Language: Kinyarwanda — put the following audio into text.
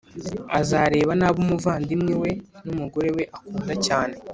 azareba+ nabi umuvandimwe we n’umugore we akunda cyane